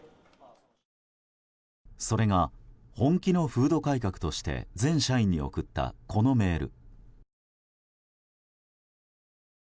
それが本気の風土改革として全社員に送ったこのメール。